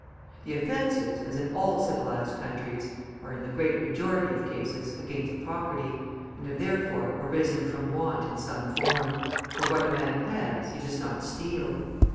The offences, as in all civilised countries, are, in the great majority of cases, against property, and have, therefore, arisen from want in some form; for what a man has, he does not steal.